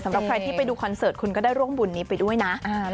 สำหรับใครที่ไปดูคอนเสิร์ตคุณก็ได้ร่วมบุญนี้ไปด้วยนะ